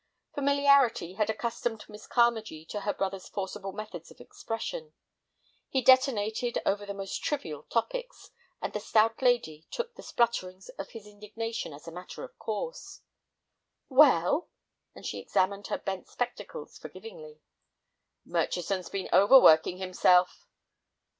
Familiarity had accustomed Miss Carmagee to her brother's forcible methods of expression. He detonated over the most trivial topics, and the stout lady took the splutterings of his indignation as a matter of course. "Well?" and she examined her bent spectacles forgivingly. "Murchison's been overworking himself."